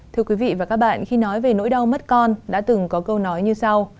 thưa quý vị và các bạn khi nói về nỗi đau mất con đã từng có câu nói như sau